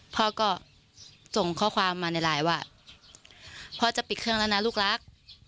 พ่อก็ส่งข้อความมาในไลน์ว่าพ่อจะปิดเครื่องแล้วนะลูกรัก